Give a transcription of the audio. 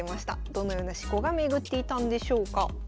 どのような思考が巡っていたんでしょうか。